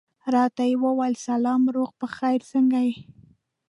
راته یې وویل سلام، روغ په خیر، څنګه یې؟